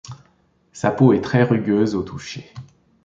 Sa peau est très rugueuse au toucher.